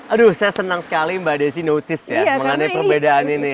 aduh saya senang sekali mbak desi notice ya mengenai perbedaan ini